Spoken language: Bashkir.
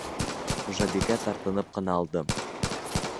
Хужабикә тартынып ҡына алды.